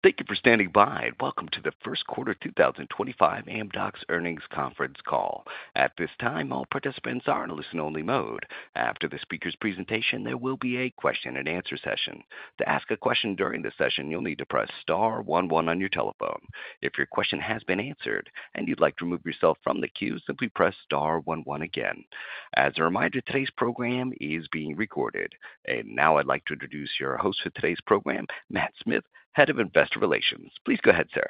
Thank you for standing by, and welcome to the first quarter 2025 Amdocs earnings conference call. At this time, all participants are in a listen-only mode. After the speaker's presentation, there will be a question-and-answer session. To ask a question during the session, you'll need to press star one one on your telephone. If your question has been answered and you'd like to remove yourself from the queue, simply press star one one again. As a reminder, today's program is being recorded. And now I'd like to introduce your host for today's program, Matt Smith, Head of Investor Relations. Please go ahead, sir.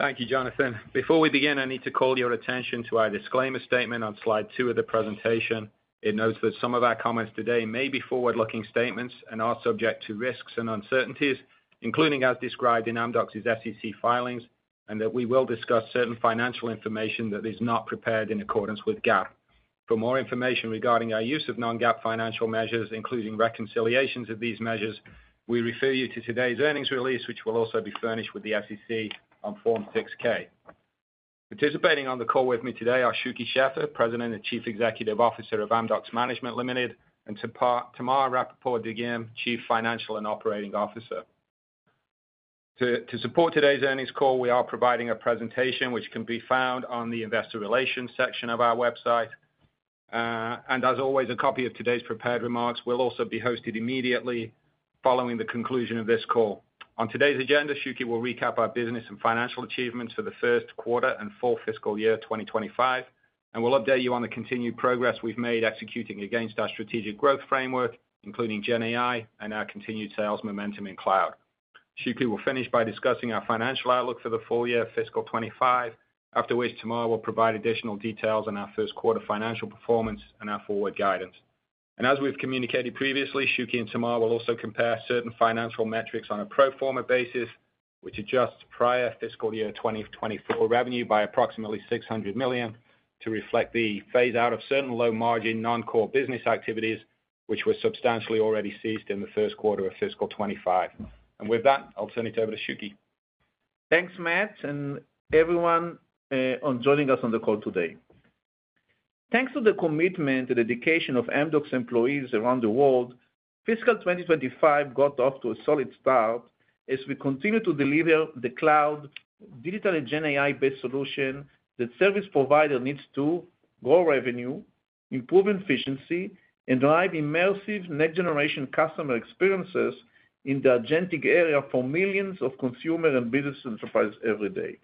Thank you, Jonathan. Before we begin, I need to call your attention to our disclaimer statement on slide two of the presentation. It notes that some of our comments today may be forward-looking statements and are subject to risks and uncertainties, including, as described in Amdocs's SEC filings, and that we will discuss certain financial information that is not prepared in accordance with GAAP. For more information regarding our use of non-GAAP financial measures, including reconciliations of these measures, we refer you to today's earnings release, which will also be furnished with the SEC on Form 6-K. Participating on the call with me today are Shuky Sheffer, President and Chief Executive Officer of Amdocs Management Limited, and Tamar Rapaport-Dagim, Chief Financial and Operating Officer. To support today's earnings call, we are providing a presentation which can be found on the Investor Relations section of our website. As always, a copy of today's prepared remarks will also be hosted immediately following the conclusion of this call. On today's agenda, Shuky will recap our business and financial achievements for the first quarter and full fiscal year 2025, and we'll update you on the continued progress we've made executing against our strategic growth framework, including GenAI and our continued sales momentum in cloud. Shuky will finish by discussing our financial outlook for the full year, fiscal 25, after which Tamar will provide additional details on our first quarter financial performance and our forward guidance. As we've communicated previously, Shuky and Tamar will also compare certain financial metrics on a pro forma basis, which adjusts prior fiscal year 2024 revenue by approximately $600 million to reflect the phase-out of certain low-margin non-core business activities, which were substantially already ceased in the first quarter of fiscal 25. And with that, I'll turn it over to Shuky. Thanks, Matt, and everyone for joining us on the call today. Thanks to the commitment and dedication of Amdocs employees around the world, fiscal 2025 got off to a solid start as we continue to deliver the cloud digital and GenAI-based solutions that service providers need to grow revenue, improve efficiency, and drive immersive next-generation customer experiences in the agentic era for millions of consumers and business enterprises every day.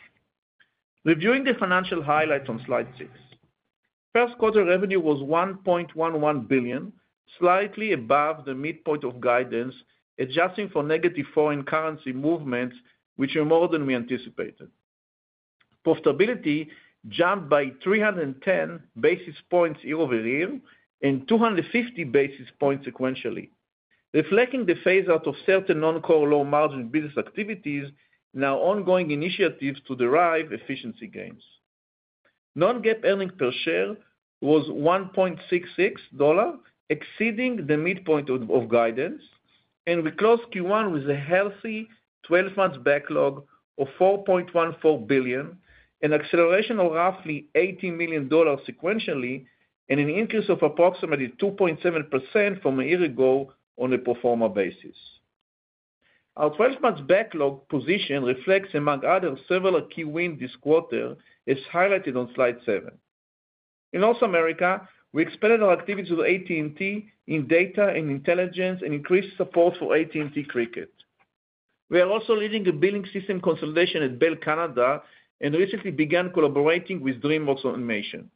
Reviewing the financial highlights on slide six, first quarter revenue was $1.11 billion, slightly above the midpoint of guidance, adjusting for negative foreign currency movements, which were more than we anticipated. Profitability jumped by 310 basis points year-over-year and 250 basis points sequentially, reflecting the phase-out of certain non-core low-margin business activities and our ongoing initiatives to derive efficiency gains. Non-GAAP earnings per share was $1.66, exceeding the midpoint of guidance, and we closed Q1 with a healthy 12-month backlog of $4.14 billion, an acceleration of roughly $80 million sequentially, and an increase of approximately 2.7% from a year ago on a pro forma basis. Our 12-month backlog position reflects, among others, several key wins this quarter, as highlighted on slide seven. In North America, we expanded our activities with AT&T in data and intelligence and increased support for AT&T Cricket. We are also leading the billing system consolidation at Bell Canada and recently began collaborating with DreamWorks Animation.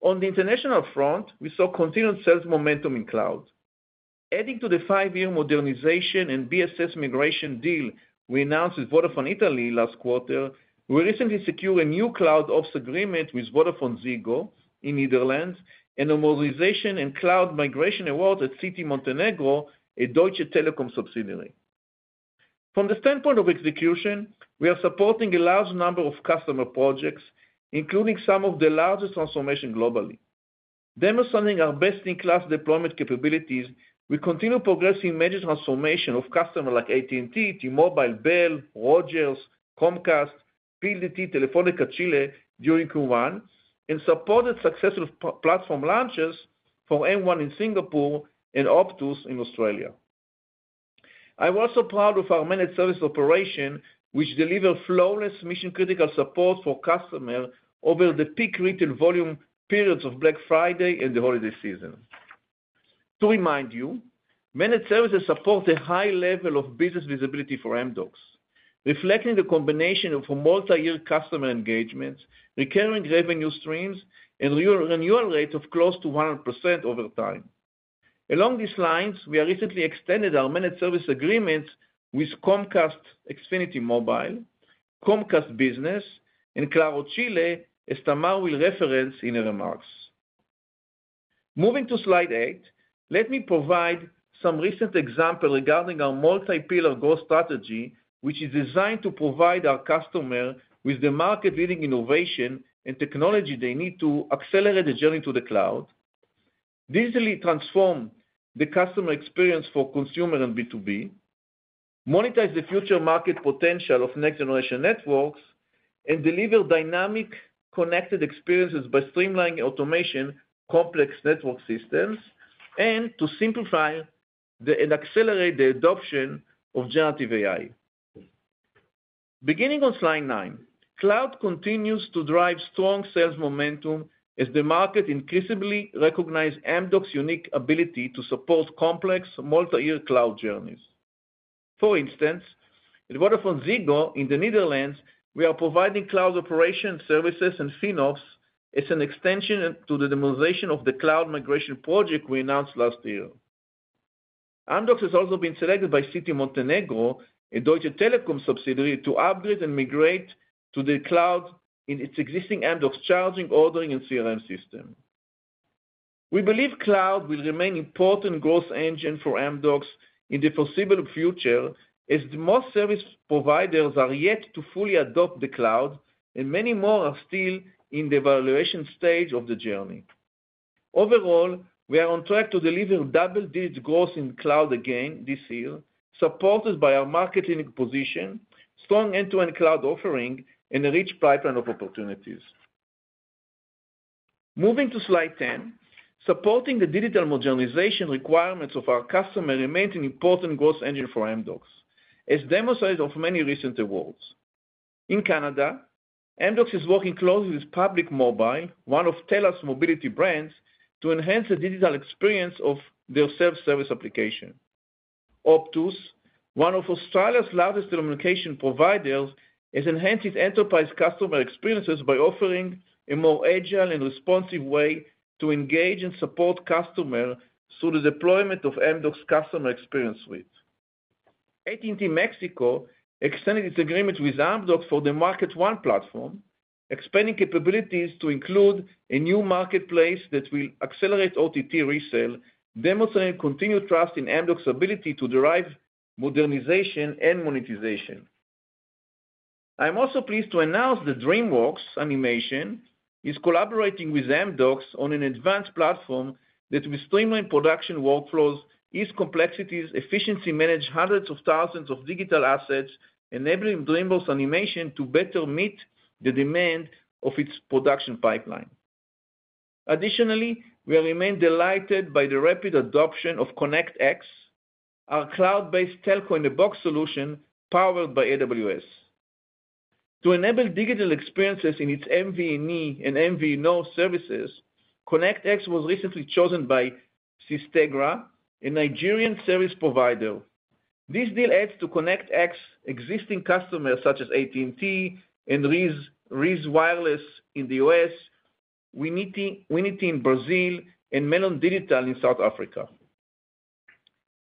On the international front, we saw continued sales momentum in cloud. Adding to the five-year modernization and BSS migration deal we announced with Vodafone Italy last quarter, we recently secured a new CloudOps agreement with VodafoneZiggo in the Netherlands and a modernization and cloud migration award at Crnogorski Telekom, a Deutsche Telekom subsidiary. From the standpoint of execution, we are supporting a large number of customer projects, including some of the largest transformations globally. Demonstrating our best-in-class deployment capabilities, we continue progressing major transformations of customers like AT&T, T-Mobile, Bell, Rogers, Comcast, PLDT, Telefónica Chile during Q1, and supported successful platform launches for M1 in Singapore and Optus in Australia. I'm also proud of our managed service operation, which delivers flawless mission-critical support for customers over the peak retail volume periods of Black Friday and the holiday season. To remind you, managed services support a high level of business visibility for Amdocs, reflecting the combination of multi-year customer engagements, recurring revenue streams, and renewal rates of close to 100% over time. Along these lines, we have recently extended our managed service agreements with Comcast Xfinity Mobile, Comcast Business, and Claro Chile, as Tamar will reference in her remarks. Moving to slide eight, let me provide some recent examples regarding our multi-pillar growth strategy, which is designed to provide our customers with the market-leading innovation and technology they need to accelerate the journey to the cloud, digitally transform the customer experience for consumers and B2B, monetize the future market potential of next-generation networks, and deliver dynamic connected experiences by streamlining automation, complex network systems, and to simplify and accelerate the adoption of generative AI. Beginning on slide nine, cloud continues to drive strong sales momentum as the market increasingly recognizes Amdocs' unique ability to support complex multi-year cloud journeys. For instance, at VodafoneZiggo in the Netherlands, we are providing cloud operation services and FinOps as an extension to the demonstration of the cloud migration project we announced last year. Amdocs has also been selected by Crnogorski Telekom, a Deutsche Telekom subsidiary, to upgrade and migrate to the cloud in its existing Amdocs charging, ordering, and CRM system. We believe cloud will remain an important growth engine for Amdocs in the foreseeable future as most service providers are yet to fully adopt the cloud, and many more are still in the evaluation stage of the journey. Overall, we are on track to deliver double-digit growth in cloud again this year, supported by our market-leading position, strong end-to-end cloud offering, and a rich pipeline of opportunities. Moving to slide 10, supporting the digital modernization requirements of our customers remains an important growth engine for Amdocs, as demonstrated in many recent awards. In Canada, Amdocs is working closely with Public Mobile, one of TELUS' mobility brands, to enhance the digital experience of their self-service application. Optus, one of Australia's largest telecommunications providers, has enhanced its enterprise customer experiences by offering a more agile and responsive way to engage and support customers through the deployment of Amdocs' customer experience suite. AT&T Mexico extended its agreement with Amdocs for the MarketOne platform, expanding capabilities to include a new marketplace that will accelerate OTT resale, demonstrating continued trust in Amdocs' ability to drive modernization and monetization. I'm also pleased to announce that DreamWorks Animation is collaborating with Amdocs on an advanced platform that will streamline production workflows, ease complexities, and efficiently manage hundreds of thousands of digital assets, enabling DreamWorks Animation to better meet the demand of its production pipeline. Additionally, we are remaining delighted by the rapid adoption of ConnectX, our cloud-based telco-in-the-box solution powered by AWS. To enable digital experiences in its MVNE and MVNO services, ConnectX was recently chosen by Spectranet, a Nigerian service provider. This deal adds to ConnectX's existing customers such as AT&T and Rise Broadband in the US, Winity Telecom in Brazil, and Melon Mobile in South Africa.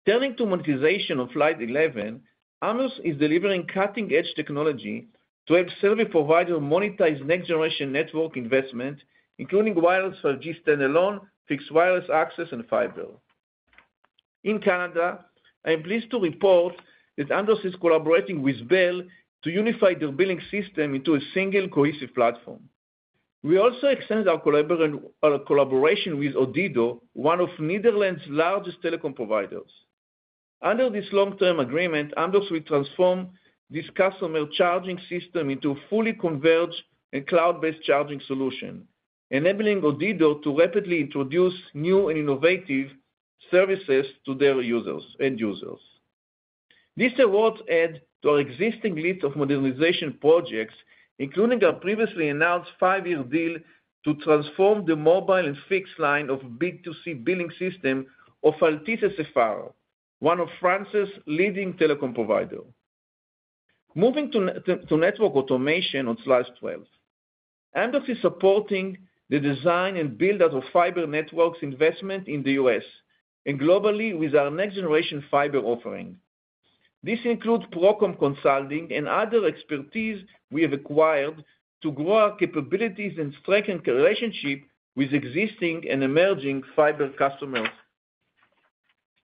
Turning to monetization on slide 11, Amdocs is delivering cutting-edge technology to help service providers monetize next-generation network investment, including wireless 5G standalone, fixed wireless access, and fiber. In Canada, I'm pleased to report that Amdocs is collaborating with Bell to unify their billing system into a single cohesive platform. We also extended our collaboration with Odido, one of the Netherlands' largest telecom providers. Under this long-term agreement, Amdocs will transform this customer charging system into a fully converged and cloud-based charging solution, enabling Odido to rapidly introduce new and innovative services to their end users. This award adds to our existing list of modernization projects, including our previously announced five-year deal to transform the mobile and fixed line of B2C billing system of Altice SFR, one of France's leading telecom providers. Moving to network automation on slide 12, Amdocs is supporting the design and build-out of fiber networks investment in the U.S. and globally with our next-generation fiber offering. This includes ProCom Consulting and other expertise we have acquired to grow our capabilities and strengthen our relationship with existing and emerging fiber customers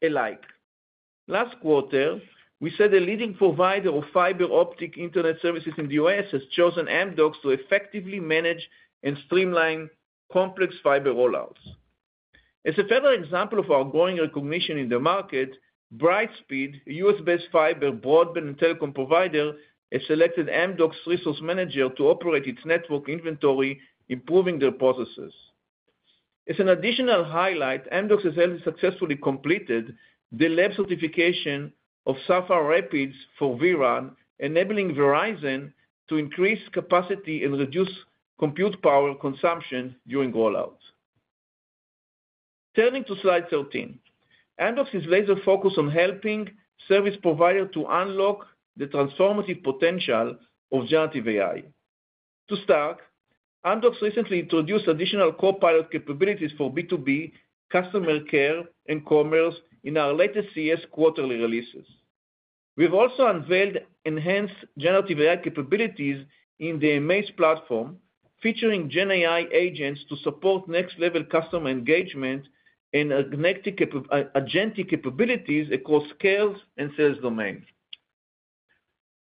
alike. Last quarter, we said a leading provider of fiber optic internet services in the U.S. has chosen Amdocs to effectively manage and streamline complex fiber rollouts. As a further example of our growing recognition in the market, Brightspeed, a U.S.-based fiber broadband and telecom provider, has selected Amdocs Resource Manager to operate its network inventory, improving their processes. As an additional highlight, Amdocs has successfully completed the lab certification of Sapphire Rapids for vRAN, enabling Verizon to increase capacity and reduce compute power consumption during rollouts. Turning to slide 13, Amdocs is laser-focused on helping service providers to unlock the transformative potential of generative AI. To start, Amdocs recently introduced additional copilot capabilities for B2B customer care and commerce in our latest CES quarterly releases. We've also unveiled enhanced generative AI capabilities in the amAIz platform, featuring GenAI agents to support next-level customer engagement and agentic capabilities across sales and sales domains.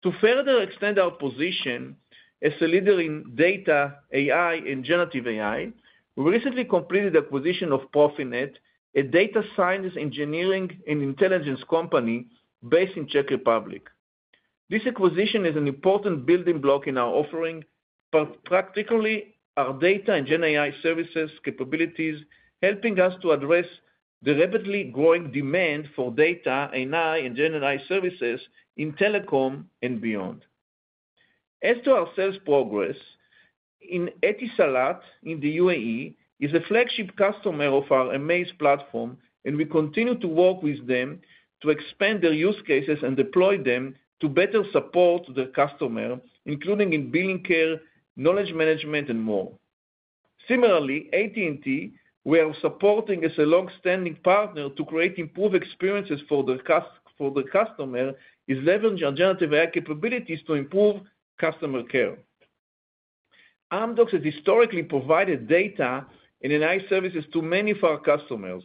To further extend our position as a leader in data, AI, and generative AI, we recently completed the acquisition of Profinit, a data science engineering and intelligence company based in the Czech Republic. This acquisition is an important building block in our offering, particularly our data and GenAI services capabilities, helping us to address the rapidly growing demand for data, AI, and GenAI services in telecom and beyond. As to our sales progress, Etisalat in the UAE is a flagship customer of our amAIz platform, and we continue to work with them to expand their use cases and deploy them to better support their customers, including in billing care, knowledge management, and more. Similarly, AT&T, we are supporting as a long-standing partner to create improved experiences for their customers, leveraging our generative AI capabilities to improve customer care. Amdocs has historically provided data and AI services to many of our customers,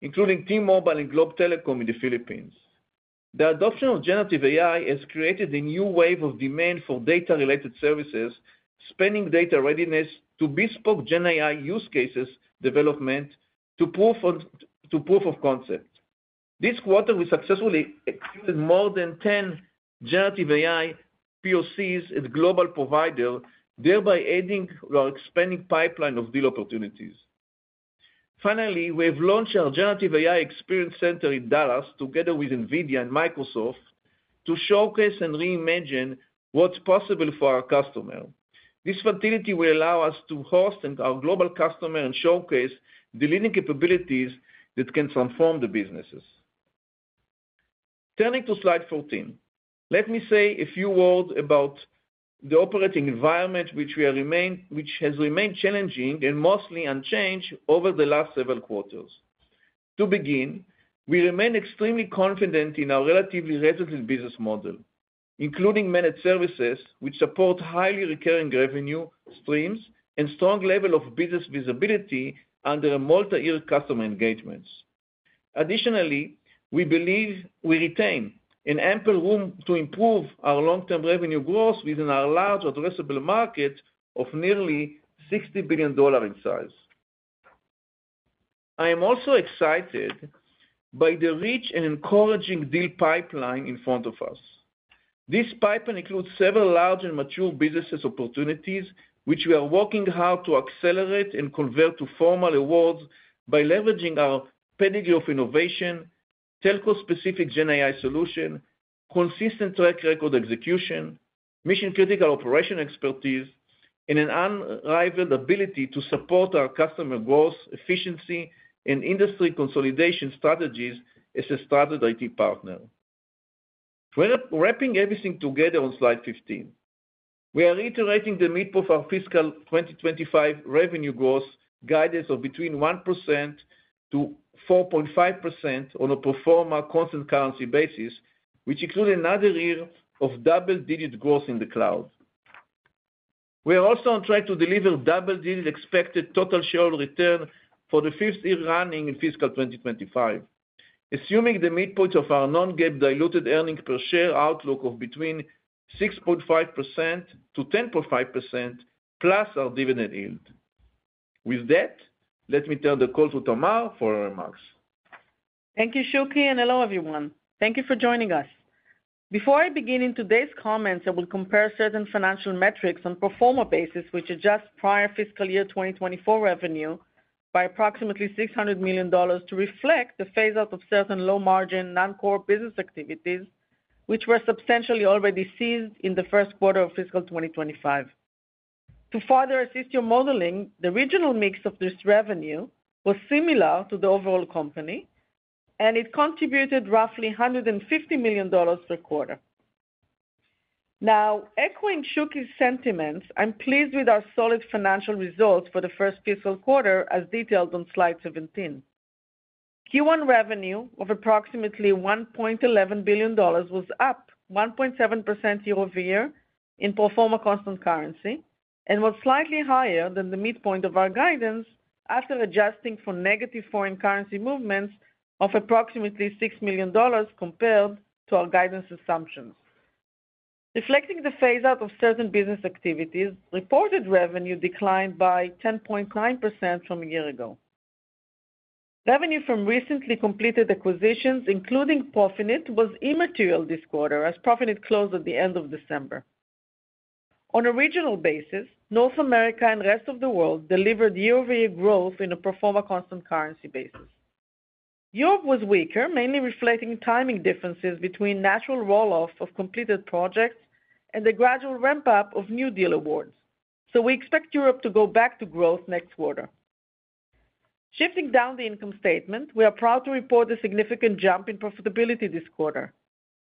including T-Mobile and Globe Telecom in the Philippines. The adoption of generative AI has created a new wave of demand for data-related services, spanning data readiness to bespoke GenAI use cases development to proof of concept. This quarter, we successfully executed more than 10 generative AI POCs at global providers, thereby adding to our expanding pipeline of deal opportunities. Finally, we have launched our generative AI experience center in Dallas together with NVIDIA and Microsoft to showcase and reimagine what's possible for our customers. This facility will allow us to host our global customers and showcase the leading capabilities that can transform the businesses. Turning to slide 14, let me say a few words about the operating environment, which has remained challenging and mostly unchanged over the last several quarters. To begin, we remain extremely confident in our relatively recent business model, including managed services, which support highly recurring revenue streams and a strong level of business visibility under multi-year customer engagements. Additionally, we believe we retain an ample room to improve our long-term revenue growth within our large addressable market of nearly $60 billion in size. I am also excited by the rich and encouraging deal pipeline in front of us. This pipeline includes several large and mature business opportunities, which we are working hard to accelerate and convert to formal awards by leveraging our pedigree of innovation, telco-specific GenAI solution, consistent track record execution, mission-critical operation expertise, and an unrivaled ability to support our customer growth, efficiency, and industry consolidation strategies as a strong IT partner. Wrapping everything together on slide 15, we are reiterating the mid-quarter fiscal 2025 revenue growth guidance of between 1%-4.5% on a pro forma constant currency basis, which includes another year of double-digit growth in the cloud. We are also on track to deliver double-digit expected total shareholder return for the fifth year running in fiscal 2025, assuming the midpoint of our non-GAAP diluted earnings per share outlook of between 6.5%-10.5% plus our dividend yield. With that, let me turn the call to Tamar for her remarks. Thank you, Shuky, and hello, everyone. Thank you for joining us. Before I begin today's comments, I will compare certain financial metrics on a pro forma basis, which adjusts prior fiscal year 2024 revenue by approximately $600 million to reflect the phase-out of certain low-margin, non-core business activities, which were substantially already ceased in the first quarter of fiscal 2025. To further assist your modeling, the regional mix of this revenue was similar to the overall company, and it contributed roughly $150 million per quarter. Now, echoing Shuky's sentiments, I'm pleased with our solid financial results for the first fiscal quarter, as detailed on slide 17. Q1 revenue of approximately $1.11 billion was up 1.7% year-over-year in pro forma constant currency and was slightly higher than the midpoint of our guidance after adjusting for negative foreign currency movements of approximately $6 million compared to our guidance assumptions. Reflecting the phase-out of certain business activities, reported revenue declined by 10.9% from a year ago. Revenue from recently completed acquisitions, including Profinit, was immaterial this quarter, as Profinit closed at the end of December. On a regional basis, North America and the rest of the world delivered year-over-year growth on a pro forma constant currency basis. Europe was weaker, mainly reflecting timing differences between natural rolloff of completed projects and the gradual ramp-up of new deal awards. So we expect Europe to go back to growth next quarter. Shifting down the income statement, we are proud to report a significant jump in profitability this quarter.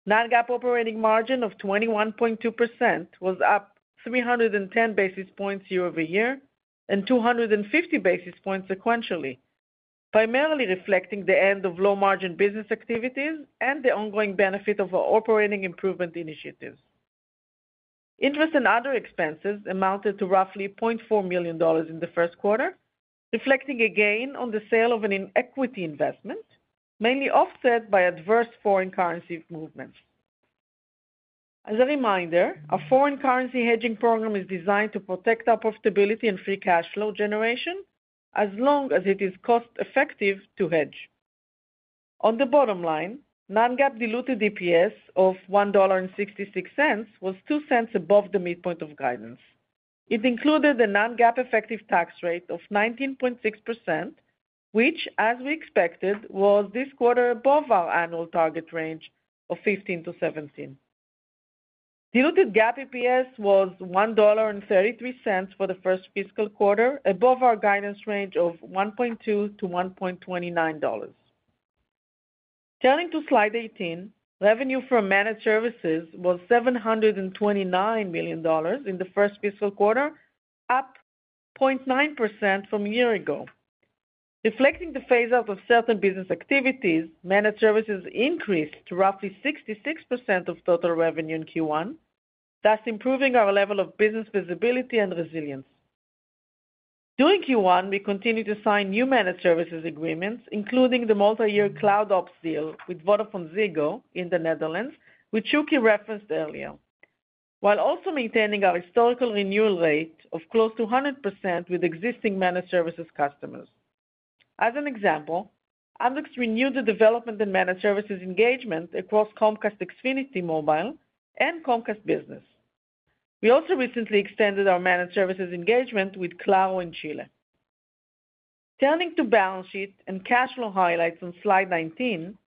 Non-GAAP operating margin of 21.2% was up 310 basis points year-over-year and 250 basis points sequentially, primarily reflecting the end of low-margin business activities and the ongoing benefit of our operating improvement initiatives. Interest and other expenses amounted to roughly $0.4 million in the first quarter, reflecting a gain on the sale of an equity investment, mainly offset by adverse foreign currency movements. As a reminder, our foreign currency hedging program is designed to protect our profitability and free cash flow generation as long as it is cost-effective to hedge. On the bottom line, non-GAAP diluted EPS of $1.66 was $0.02 above the midpoint of guidance. It included a non-GAAP effective tax rate of 19.6%, which, as we expected, was this quarter above our annual target range of 15%-17%. Diluted GAAP EPS was $1.33 for the first fiscal quarter, above our guidance range of $1.2-$1.29. Turning to slide 18, revenue from managed services was $729 million in the first fiscal quarter, up 0.9% from a year ago. Reflecting the phase-out of certain business activities, managed services increased to roughly 66% of total revenue in Q1, thus improving our level of business visibility and resilience. During Q1, we continued to sign new managed services agreements, including the multi-year CloudOps deal with VodafoneZiggo in the Netherlands, which Shuky referenced earlier, while also maintaining our historical renewal rate of close to 100% with existing managed services customers. As an example, Amdocs renewed the development and managed services engagement across Comcast Xfinity Mobile and Comcast Business. We also recently extended our managed services engagement with Claro in Chile. Turning to balance sheet and cash flow highlights on slide 19,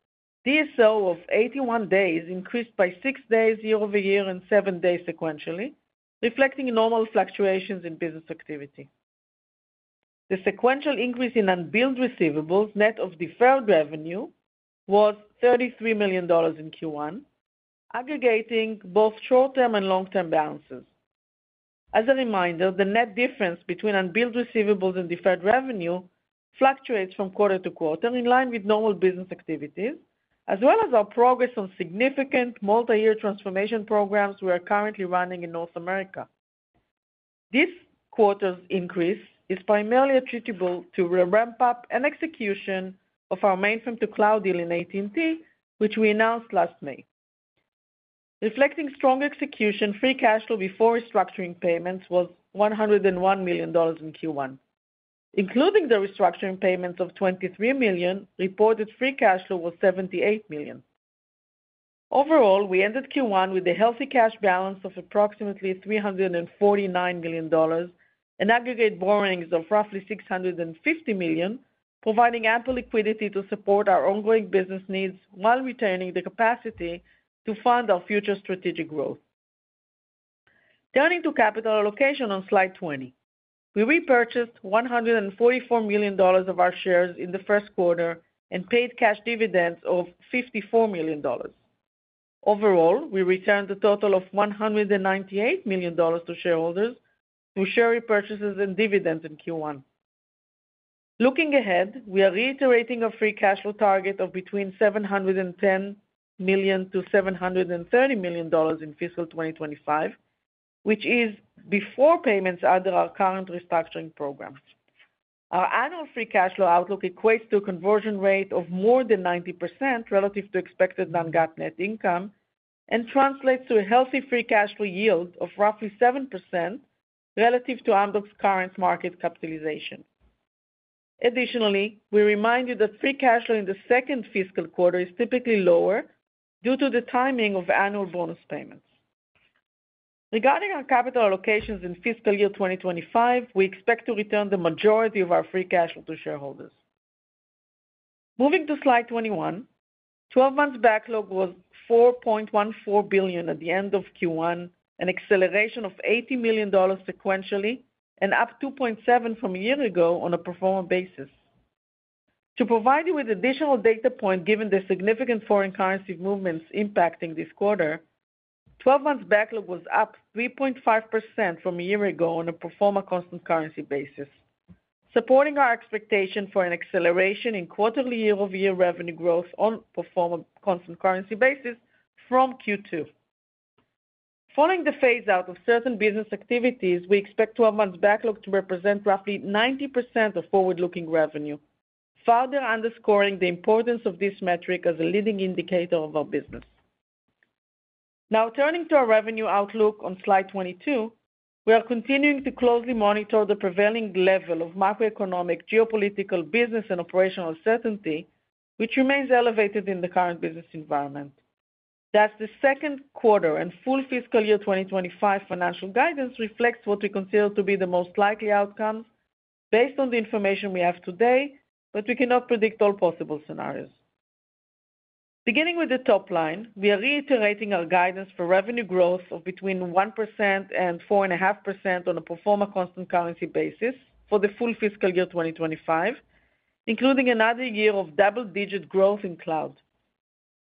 DSO of 81 days increased by six days year-over-year and seven days sequentially, reflecting normal fluctuations in business activity. The sequential increase in unbilled receivables net of deferred revenue was $33 million in Q1, aggregating both short-term and long-term balances. As a reminder, the net difference between unbilled receivables and deferred revenue fluctuates from quarter to quarter in line with normal business activities, as well as our progress on significant multi-year transformation programs we are currently running in North America. This quarter's increase is primarily attributable to the ramp-up and execution of our mainframe-to-cloud deal in AT&T, which we announced last May. Reflecting strong execution, free cash flow before restructuring payments was $101 million in Q1. Including the restructuring payments of $23 million, reported free cash flow was $78 million. Overall, we ended Q1 with a healthy cash balance of approximately $349 million and aggregate borrowings of roughly $650 million, providing ample liquidity to support our ongoing business needs while retaining the capacity to fund our future strategic growth. Turning to capital allocation on slide 20, we repurchased $144 million of our shares in the first quarter and paid cash dividends of $54 million. Overall, we returned a total of $198 million to shareholders through share repurchases and dividends in Q1. Looking ahead, we are reiterating a free cash flow target of between $710-$730 million in fiscal 2025, which is before payments under our current restructuring programs. Our annual free cash flow outlook equates to a conversion rate of more than 90% relative to expected non-GAAP net income and translates to a healthy free cash flow yield of roughly 7% relative to Amdocs's current market capitalization. Additionally, we remind you that free cash flow in the second fiscal quarter is typically lower due to the timing of annual bonus payments. Regarding our capital allocations in fiscal year 2025, we expect to return the majority of our free cash flow to shareholders. Moving to slide 21, 12 months backlog was $4.14 billion at the end of Q1, an acceleration of $80 million sequentially and up 2.7% from a year ago on a pro forma basis. To provide you with additional data points given the significant foreign currency movements impacting this quarter, 12 months backlog was up 3.5% from a year ago on a pro forma constant currency basis, supporting our expectation for an acceleration in quarterly year-over-year revenue growth on a pro forma constant currency basis from Q2. Following the phase-out of certain business activities, we expect 12 months backlog to represent roughly 90% of forward-looking revenue, further underscoring the importance of this metric as a leading indicator of our business. Now, turning to our revenue outlook on slide 22, we are continuing to closely monitor the prevailing level of macroeconomic, geopolitical, business, and operational uncertainty, which remains elevated in the current business environment. Thus, the second quarter and full fiscal year 2025 financial guidance reflects what we consider to be the most likely outcomes based on the information we have today, but we cannot predict all possible scenarios. Beginning with the top line, we are reiterating our guidance for revenue growth of between 1% and 4.5% on a pro forma constant currency basis for the full fiscal year 2025, including another year of double-digit growth in cloud.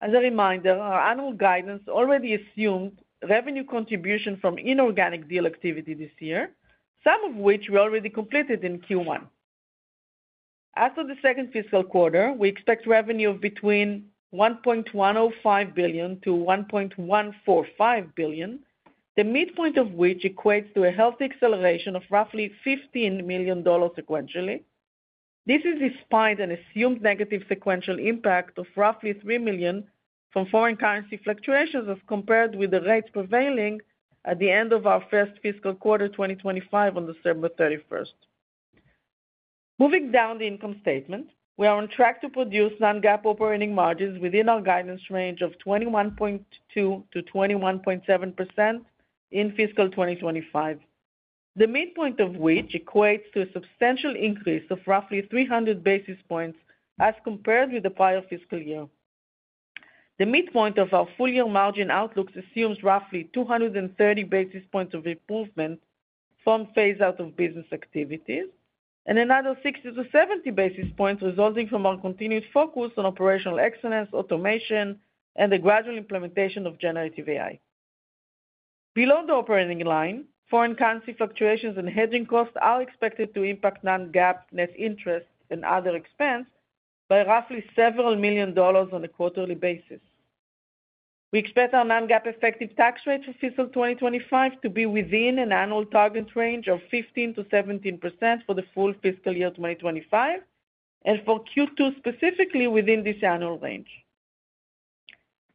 As a reminder, our annual guidance already assumed revenue contribution from inorganic deal activity this year, some of which we already completed in Q1. As for the second fiscal quarter, we expect revenue of between $1.105 billion to $1.145 billion, the midpoint of which equates to a healthy acceleration of roughly $15 million sequentially. This is despite an assumed negative sequential impact of roughly $3 million from foreign currency fluctuations as compared with the rates prevailing at the end of our first fiscal quarter 2025 on December 31. Moving down the income statement, we are on track to produce non-GAAP operating margins within our guidance range of 21.2% to 21.7% in fiscal 2025, the midpoint of which equates to a substantial increase of roughly 300 basis points as compared with the prior fiscal year. The midpoint of our full-year margin outlooks assumes roughly 230 basis points of improvement from phase-out of business activities and another 60 to 70 basis points resulting from our continued focus on operational excellence, automation, and the gradual implementation of generative AI. Below the operating line, foreign currency fluctuations and hedging costs are expected to impact non-GAAP net interest and other expense by roughly several million dollars on a quarterly basis. We expect our non-GAAP effective tax rate for fiscal 2025 to be within an annual target range of 15% to 17% for the full fiscal year 2025 and for Q2 specifically within this annual range.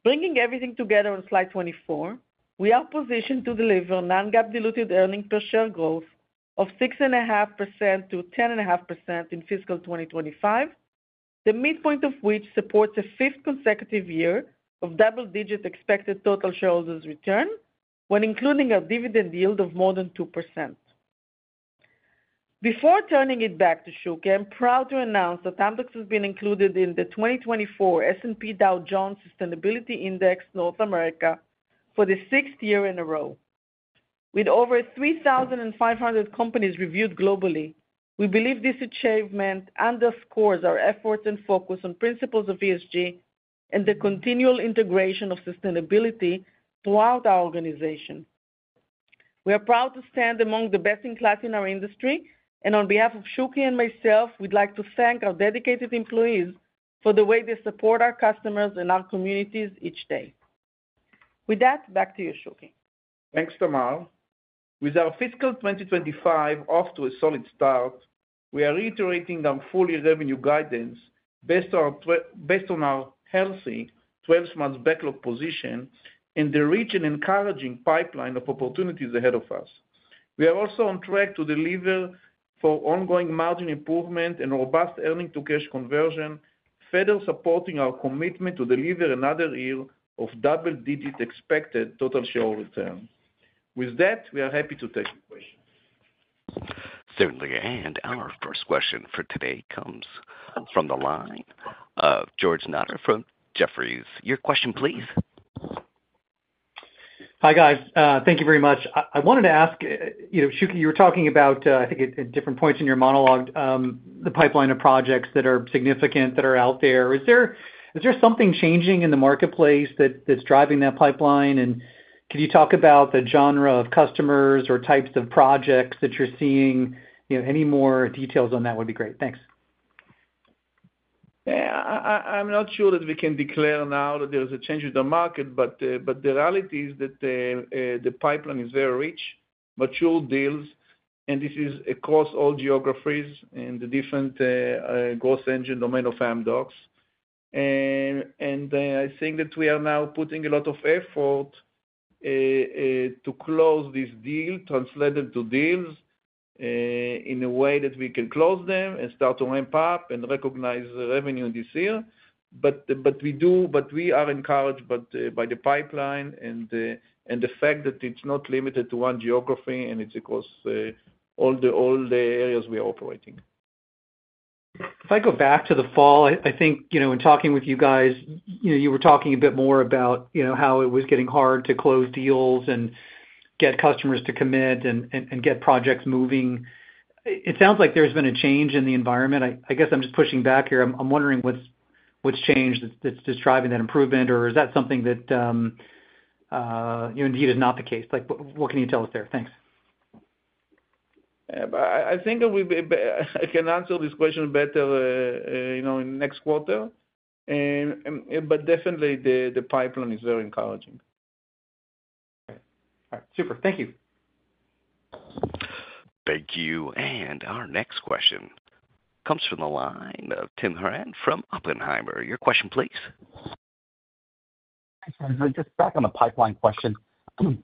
Bringing everything together on slide 24, we are positioned to deliver non-GAAP diluted earnings per share growth of 6.5% to 10.5% in fiscal 2025, the midpoint of which supports a fifth consecutive year of double-digit expected total shareholders' return when including a dividend yield of more than 2%. Before turning it back to Shuky, I'm proud to announce that Amdocs has been included in the 2024 S&P Dow Jones Sustainability Index North America for the sixth year in a row. With over 3,500 companies reviewed globally, we believe this achievement underscores our efforts and focus on principles of ESG and the continual integration of sustainability throughout our organization. We are proud to stand among the best in class in our industry, and on behalf of Shuky and myself, we'd like to thank our dedicated employees for the way they support our customers and our communities each day. With that, back to you, Shuky. Thanks, Tamar. With our fiscal 2025 off to a solid start, we are reiterating our full-year revenue guidance based on our healthy 12-month backlog position and the rich and encouraging pipeline of opportunities ahead of us. We are also on track to deliver for ongoing margin improvement and robust earnings-to-cash conversion, further supporting our commitment to deliver another year of double-digit expected total shareholder return. With that, we are happy to take your questions. Certainly. And our first question for today comes from the line of George Notter from Jefferies. Your question, please. Hi, guys. Thank you very much. I wanted to ask, Shuky, you were talking about, I think, at different points in your monologue, the pipeline of projects that are significant that are out there. Is there something changing in the marketplace that's driving that pipeline? Could you talk about the range of customers or types of projects that you're seeing? Any more details on that would be great. Thanks. Yeah. I'm not sure that we can declare now that there is a change in the market, but the reality is that the pipeline is very rich, mature deals, and this is across all geographies in the different growth engine domain of Amdocs. I think that we are now putting a lot of effort to close this deal, translate it to deals in a way that we can close them and start to ramp up and recognize the revenue this year. We are encouraged by the pipeline and the fact that it's not limited to one geography and it's across all the areas we are operating. If I go back to the fall, I think in talking with you guys, you were talking a bit more about how it was getting hard to close deals and get customers to commit and get projects moving. It sounds like there's been a change in the environment. I guess I'm just pushing back here. I'm wondering what's changed that's driving that improvement, or is that something that indeed is not the case? What can you tell us there? Thanks. I think I can answer this question better in the next quarter, but definitely the pipeline is very encouraging. All right. Super. Thank you. Thank you. And our next question comes from the line of Tim Horan from Oppenheimer. Your question, please. Thanks, Jonathan. Just back on the pipeline question.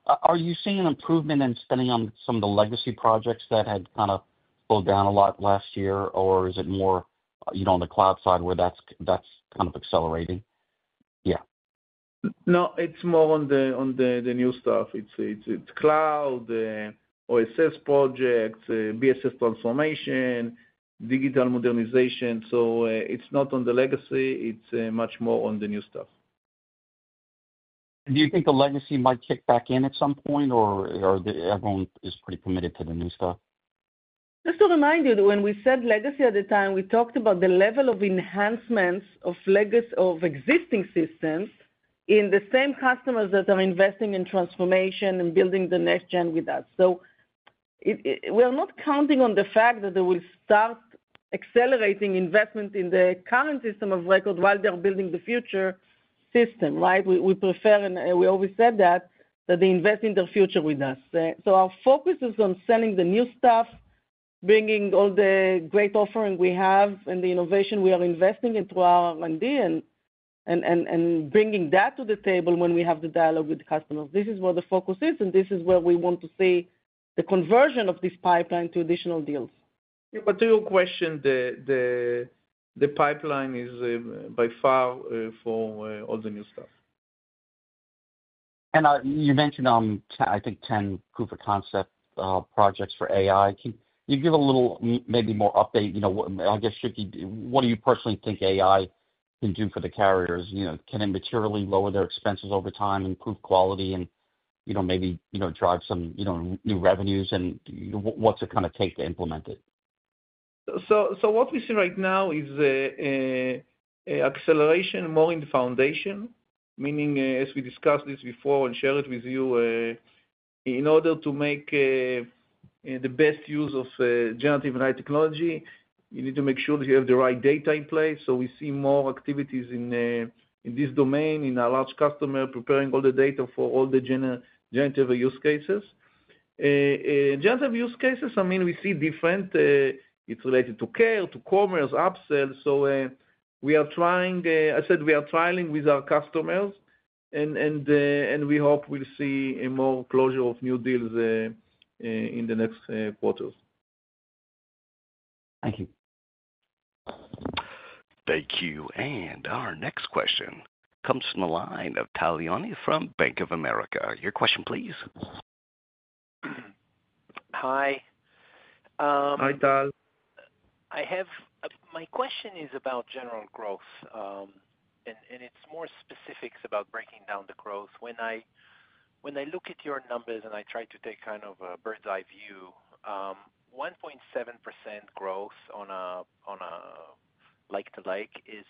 Are you seeing an improvement in spending on some of the legacy projects that had kind of slowed down a lot last year, or is it more on the cloud side where that's kind of accelerating? Yeah. No, it's more on the new stuff. It's cloud, OSS projects, BSS transformation, digital modernization. So it's not on the legacy. It's much more on the new stuff. And do you think the legacy might kick back in at some point, or everyone is pretty committed to the new stuff? Just to remind you, when we said legacy at the time, we talked about the level of enhancements of existing systems in the same customers that are investing in transformation and building the next gen with us. So we are not counting on the fact that they will start accelerating investment in the current system of record while they're building the future system, right? We always said that, that they invest in the future with us. So our focus is on selling the new stuff, bringing all the great offering we have and the innovation we are investing into our R&D and bringing that to the table when we have the dialogue with customers. This is where the focus is, and this is where we want to see the conversion of this pipeline to additional deals. Yeah, but to your question, the pipeline is by far for all the new stuff. And you mentioned, I think, 10 proof of concept projects for AI. Can you give a little maybe more update? I guess, Shuky, what do you personally think AI can do for the carriers? Can it materially lower their expenses over time, improve quality, and maybe drive some new revenues? And what's it going to take to implement it? So what we see right now is acceleration more in the foundation, meaning, as we discussed this before and shared it with you, in order to make the best use of generative AI technology, you need to make sure that you have the right data in place. So we see more activities in this domain in our large customer preparing all the data for all the generative use cases. Generative use cases, I mean, we see different. It's related to care, to commerce, upsell. So we are trying, I said we are trialing with our customers, and we hope we'll see more closure of new deals in the next quarters. Thank you. Thank you. Our next question comes from the line of Tal Liani from Bank of America. Your question, please. Hi. Hi, Tal. My question is about general growth, and it's more specifics about breaking down the growth. When I look at your numbers and I try to take kind of a bird's-eye view, 1.7% growth on a like-for-like is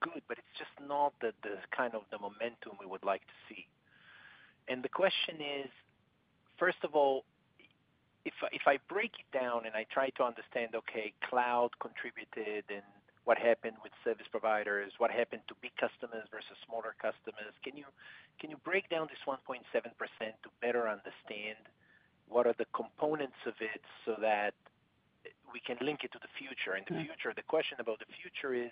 good, but it's just not the kind of momentum we would like to see. And the question is, first of all, if I break it down and I try to understand, okay, cloud contributed and what happened with service providers, what happened to big customers versus smaller customers, can you break down this 1.7% to better understand what are the components of it so that we can link it to the future? The question about the future is,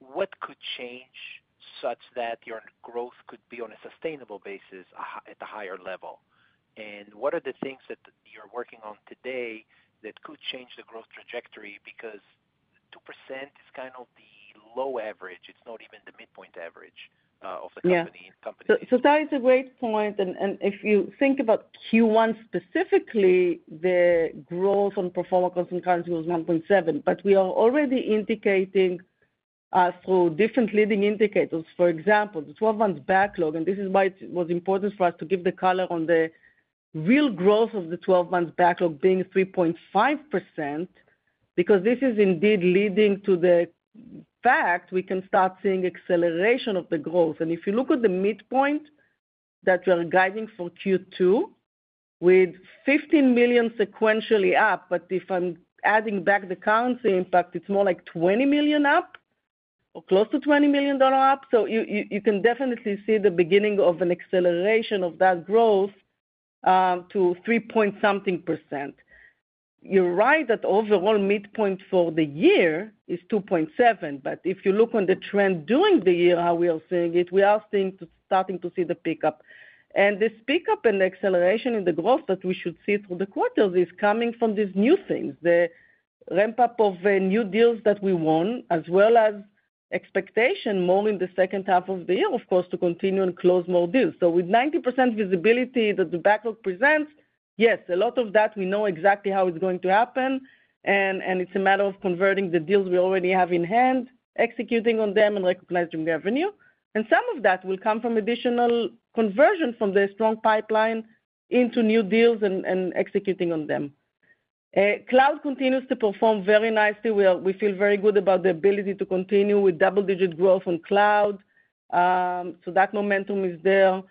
what could change such that your growth could be on a sustainable basis at a higher level? And what are the things that you're working on today that could change the growth trajectory? Because 2% is kind of the low average. It's not even the midpoint average of the company. So that is a great point. And if you think about Q1 specifically, the growth in pro forma constant currency was 1.7%, but we are already indicating through different leading indicators, for example, the 12-month backlog. And this is why it was important for us to give the color on the real growth of the 12-month backlog being 3.5%, because this is indeed leading to the fact we can start seeing acceleration of the growth. If you look at the midpoint that we are guiding for Q2 with $15 million sequentially up, but if I'm adding back the currency impact, it's more like $20 million up or close to $20 million up. You can definitely see the beginning of an acceleration of that growth to 3-point-something%. You're right that overall midpoint for the year is 2.7%, but if you look on the trend during the year, how we are seeing it, we are starting to see the pickup. This pickup and acceleration in the growth that we should see through the quarters is coming from these new things, the ramp-up of new deals that we won, as well as expectation more in the second half of the year, of course, to continue and close more deals. So with 90% visibility that the backlog presents, yes, a lot of that we know exactly how it's going to happen, and it's a matter of converting the deals we already have in hand, executing on them, and recognizing revenue. And some of that will come from additional conversion from the strong pipeline into new deals and executing on them. Cloud continues to perform very nicely. We feel very good about the ability to continue with double-digit growth on cloud. So that momentum is there.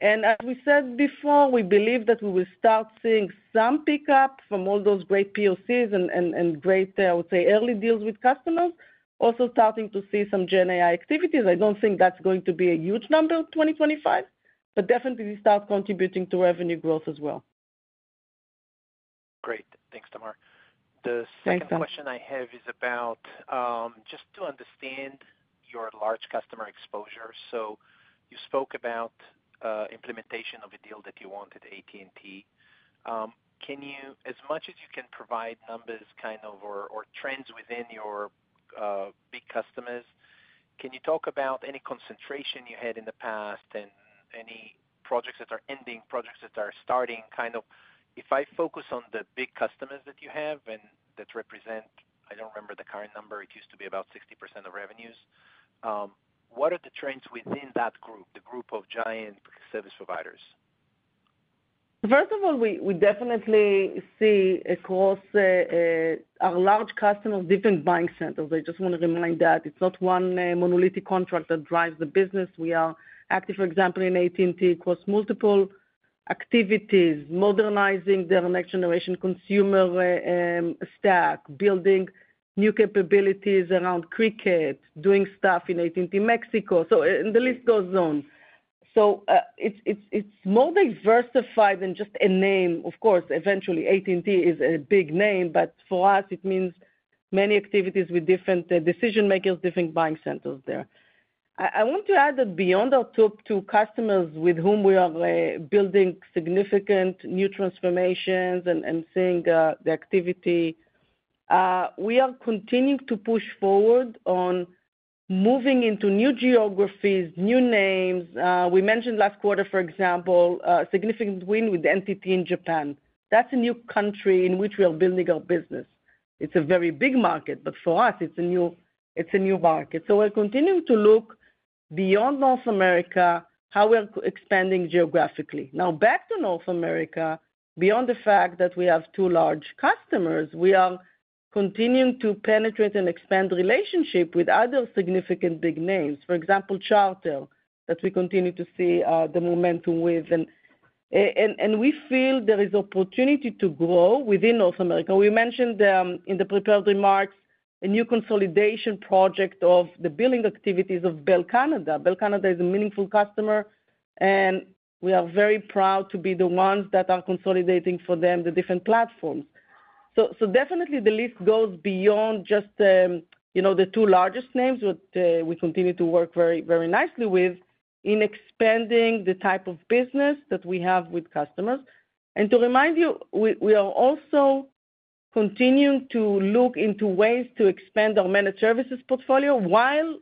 And as we said before, we believe that we will start seeing some pickup from all those great POCs and great, I would say, early deals with customers, also starting to see some Gen AI activities. I don't think that's going to be a huge number in 2025, but definitely start contributing to revenue growth as well. Great. Thanks, Tamar. The second question I have is about just to understand your large customer exposure. So you spoke about implementation of a deal that you wanted at AT&T. As much as you can provide numbers kind of or trends within your big customers, can you talk about any concentration you had in the past and any projects that are ending, projects that are starting? Kind of if I focus on the big customers that you have and that represent, I don't remember the current number, it used to be about 60% of revenues, what are the trends within that group, the group of giant service providers? First of all, we definitely see across our large customers, different buying centers. I just want to remind that it's not one monolithic contract that drives the business. We are active, for example, in AT&T across multiple activities, modernizing their next-generation consumer stack, building new capabilities around Cricket, doing stuff in AT&T Mexico. So the list goes on. So it's more diversified than just a name. Of course, eventually, AT&T is a big name, but for us, it means many activities with different decision-makers, different buying centers there. I want to add that beyond our top two customers with whom we are building significant new transformations and seeing the activity, we are continuing to push forward on moving into new geographies, new names. We mentioned last quarter, for example, a significant win with the NTT in Japan. That's a new country in which we are building our business. It's a very big market, but for us, it's a new market. So we're continuing to look beyond North America, how we're expanding geographically. Now, back to North America, beyond the fact that we have two large customers, we are continuing to penetrate and expand relationships with other significant big names. For example, Charter, that we continue to see the momentum with, and we feel there is opportunity to grow within North America. We mentioned in the prepared remarks a new consolidation project of the billing activities of Bell Canada. Bell Canada is a meaningful customer, and we are very proud to be the ones that are consolidating for them the different platforms, so definitely, the list goes beyond just the two largest names, which we continue to work very nicely with, in expanding the type of business that we have with customers, and to remind you, we are also continuing to look into ways to expand our managed services portfolio while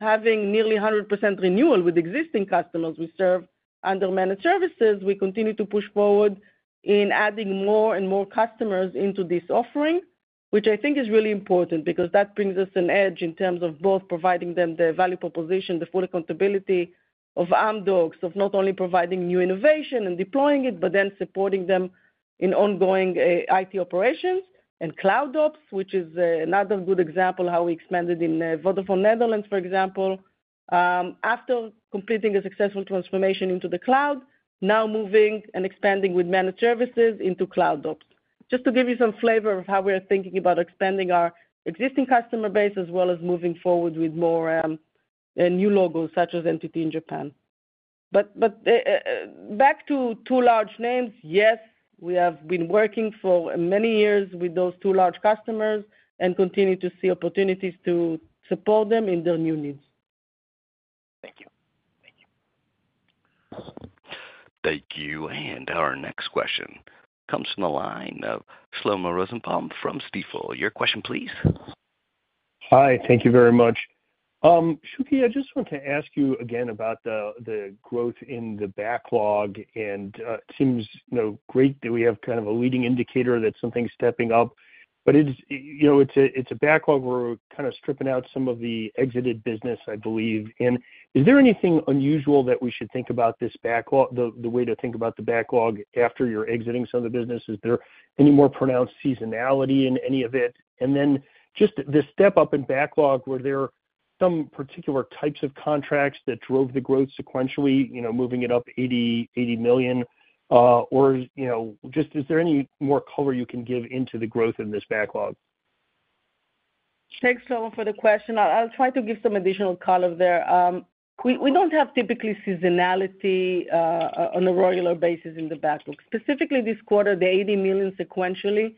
having nearly 100% renewal with existing customers we serve under managed services. We continue to push forward in adding more and more customers into this offering, which I think is really important because that brings us an edge in terms of both providing them the value proposition, the full accountability of Amdocs of not only providing new innovation and deploying it, but then supporting them in ongoing IT operations and CloudOps, which is another good example of how we expanded in VodafoneZiggo, for example, after completing a successful transformation into the cloud, now moving and expanding with managed services into CloudOps. Just to give you some flavor of how we are thinking about expanding our existing customer base as well as moving forward with more new logos such as NTT. But back to two large names, yes, we have been working for many years with those two large customers and continue to see opportunities to support them in their new needs. Thank you. Thank you. Thank you. And our next question comes from the line of Shlomo Rosenbaum from Stifel. Your question, please. Hi. Thank you very much. Shuky, I just want to ask you again about the growth in the backlog. And it seems great that we have kind of a leading indicator that something's stepping up, but it's a backlog where we're kind of stripping out some of the exited business, I believe. And is there anything unusual that we should think about this backlog, the way to think about the backlog after you're exiting some of the businesses? Is there any more pronounced seasonality in any of it? Then just the step up in backlog, were there some particular types of contracts that drove the growth sequentially, moving it up $80 million? Or just is there any more color you can give into the growth in this backlog? Thanks, Shlomo, for the question. I'll try to give some additional color there. We don't have typically seasonality on a regular basis in the backlog. Specifically, this quarter, the $80 million sequentially,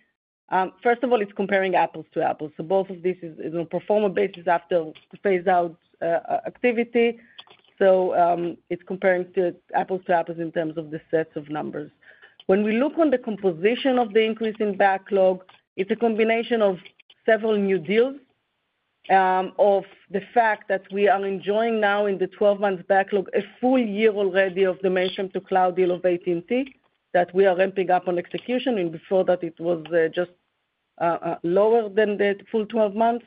first of all, it's comparing apples to apples. So both of these are on a pro forma basis after phase-out activity. So it's comparing apples to apples in terms of the sets of numbers. When we look on the composition of the increase in backlog, it's a combination of several new deals, of the fact that we are enjoying now in the 12-month backlog a full year already of the mainframe-to-cloud deal of AT&T that we are ramping up on execution. And before that, it was just lower than the full 12 months.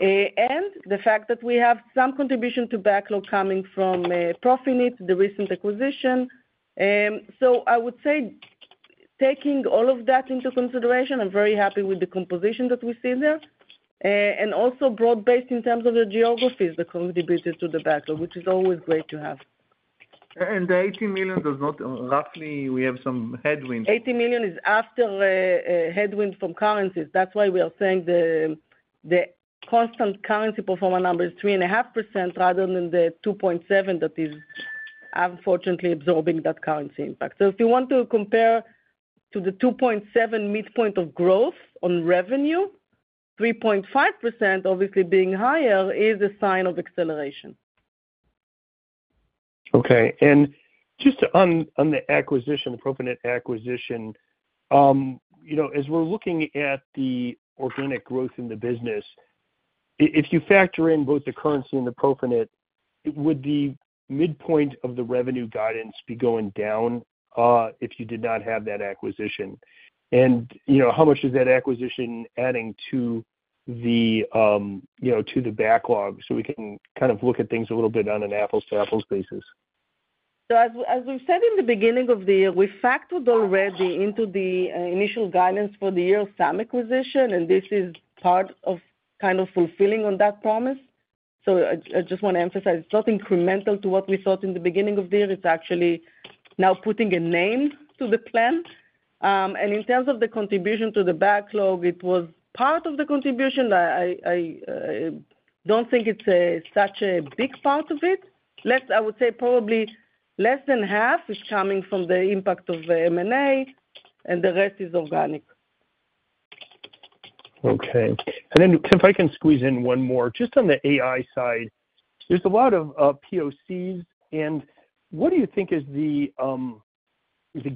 And the fact that we have some contribution to backlog coming from Profinit, the recent acquisition. So I would say taking all of that into consideration, I'm very happy with the composition that we see there. And also broad-based in terms of the geographies that contributed to the backlog, which is always great to have. And the $80 million does not roughly we have some headwinds. $80 million is after headwinds from currencies. That's why we are saying the constant currency performance number is 3.5% rather than the 2.7% that is unfortunately absorbing that currency impact. So if you want to compare to the 2.7% midpoint of growth on revenue, 3.5% obviously being higher is a sign of acceleration. Okay. And just on the acquisition, the Profinit acquisition, as we're looking at the organic growth in the business, if you factor in both the currency and the Profinit, would the midpoint of the revenue guidance be going down if you did not have that acquisition? And how much is that acquisition adding to the backlog so we can kind of look at things a little bit on an apples-to-apples basis? So as we've said in the beginning of the year, we factored already into the initial guidance for the year some acquisition, and this is part of kind of fulfilling on that promise. So I just want to emphasize it's not incremental to what we thought in the beginning of the year. It's actually now putting a name to the plan. And in terms of the contribution to the backlog, it was part of the contribution. I don't think it's such a big part of it. I would say probably less than half is coming from the impact of M&A, and the rest is organic. Okay. And then if I can squeeze in one more, just on the AI side, there's a lot of POCs. And what do you think is the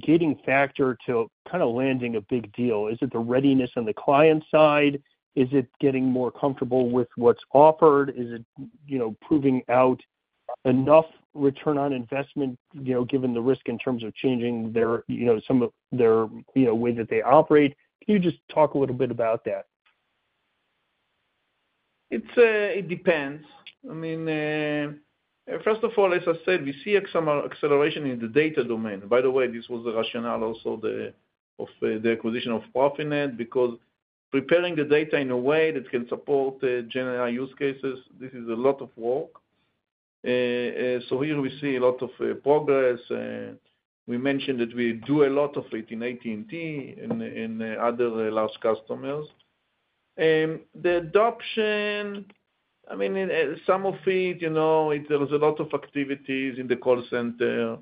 gating factor to kind of landing a big deal? Is it the readiness on the client side? Is it getting more comfortable with what's offered? Is it proving out enough return on investment given the risk in terms of changing some of their way that they operate? Can you just talk a little bit about that? It depends. I mean, first of all, as I said, we see some acceleration in the data domain. By the way, this was the rationale also of the acquisition of Profinit because preparing the data in a way that can support Gen AI use cases, this is a lot of work. So here we see a lot of progress. We mentioned that we do a lot of it in AT&T and other large customers, and the adoption, I mean, some of it, there's a lot of activities in the call center.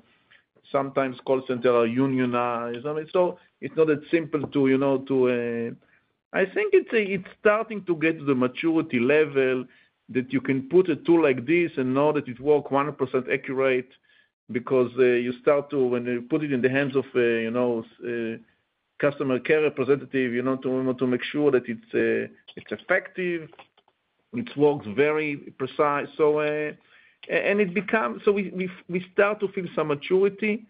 Sometimes call centers are unionized. So it's not as simple. I think it's starting to get to the maturity level that you can put a tool like this and know that it works 100% accurate because when you put it in the hands of a customer care representative to make sure that it's effective, it works very precise. And it becomes so we start to feel some maturity,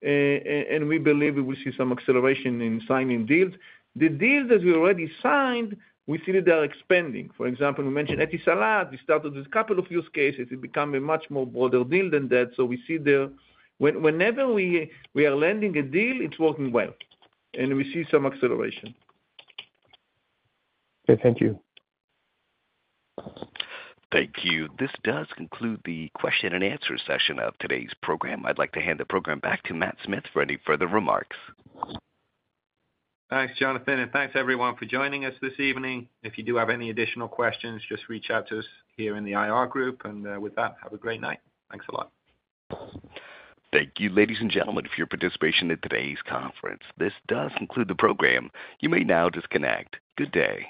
and we believe we will see some acceleration in signing deals. The deals that we already signed, we see that they are expanding. For example, we mentioned Etisalat. We started with a couple of use cases. It became a much more broader deal than that. So we see there whenever we are landing a deal, it's working well, and we see some acceleration. Okay. Thank you. Thank you. This does conclude the question-and-answer session of today's program. I'd like to hand the program back to Matt Smith for any further remarks. Thanks, Jonathan. And thanks, everyone, for joining us this evening. If you do have any additional questions, just reach out to us here in the IR group. And with that, have a great night. Thanks a lot. Thank you, ladies and gentlemen, for your participation in today's conference. This does conclude the program. You may now disconnect. Good day.